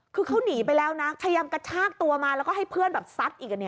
คือเขาหนีไปแล้วนะพยายามกระชากตัวมาแล้วก็ให้เพื่อนแบบซัดอีกอันนี้